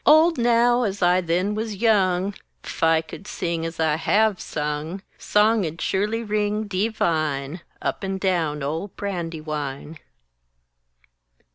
Old now as I then wuz young, 'F I could sing as I have sung, Song 'ud surely ring dee vine Up and down old Brandywine!